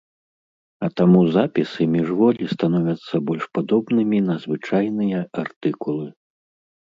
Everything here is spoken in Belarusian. А таму запісы міжволі становяцца больш падобнымі на звычайныя артыкулы.